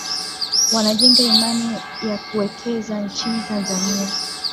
Wanajenga imani ya kuwekeza nchini Tanzania